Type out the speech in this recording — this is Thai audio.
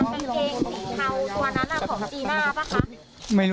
ไม่รู้ค่ะไม่รู้